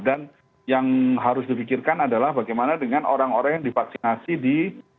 dan yang harus dipikirkan adalah bagaimana dengan orang orang yang divaksinasi di